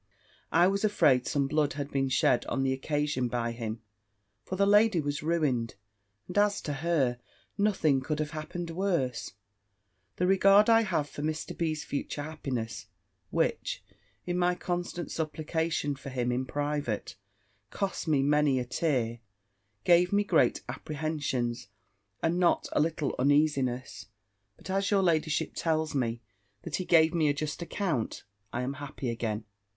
I was afraid some blood had been shed on the occasion by him: for the lady was ruined, and as to her, nothing could have happened worse. The regard I have for Mr. B.'s future happiness, which, in my constant supplication for him in private, costs me many a tear, gave me great apprehensions, and not a little uneasiness. But as your ladyship tells me that he gave me a just account, I am happy again.